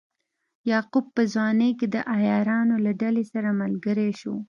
یعقوب په ځوانۍ کې د عیارانو له ډلې سره ملګری شو.